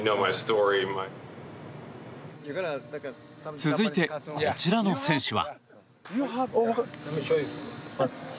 続いて、こちらの選手は。